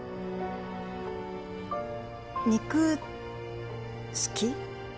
肉好き？